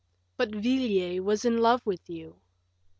"But Villiers was in love with you."